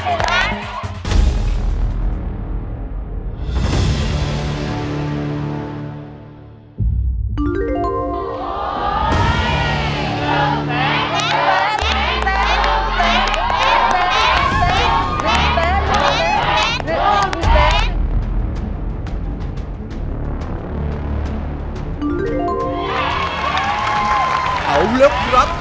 อุลุกรัก